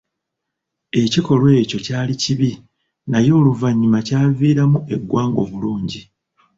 Ekikolwa ekyo kyali kibi, naye oluvannyuma kyaviiramu eggwanga obulungi.